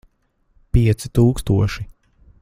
Pieci tūkstoši.